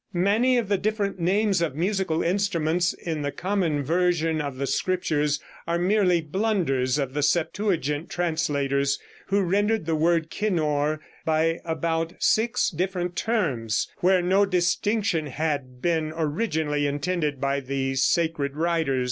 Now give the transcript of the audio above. Many of the different names of musical instruments in the common version of the Scriptures are merely blunders of the Septuagint translators, who rendered the word kinnor by about six different terms, where no distinction had been originally intended by the sacred writers.